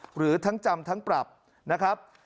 หรือทั้งจำทั้งปรับนะครับ